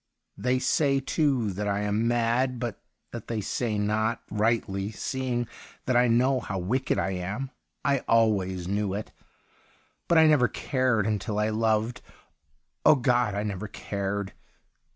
They say, too, that I am mad ; but that they say not rightly, seeing that I know how wicked I am. I always knew it, but I never cared until I loved — oh, God, I never cared